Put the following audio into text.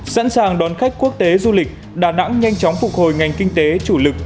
sẵn sàng đón khách quốc tế du lịch đà nẵng nhanh chóng phục hồi ngành kinh tế chủ lực